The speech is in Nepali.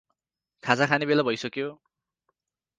खाजा खाने बेला भैसक्यो.